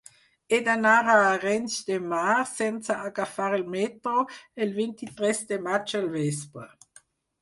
He d'anar a Arenys de Mar sense agafar el metro el vint-i-tres de maig al vespre.